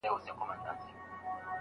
اتڼونه نیمه خوا دي ګودرونه زولانه دي